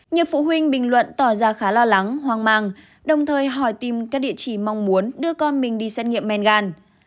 nhiều phụ huynh bình luận tỏ ra khá lo lắng hoang mang đồng thời hỏi tìm các địa chỉ mong muốn đưa con mình đi xét nghiệm men gan